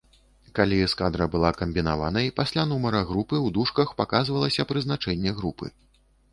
Калі эскадра была камбінаванай, пасля нумара групы ў дужках паказвалася прызначэнне групы.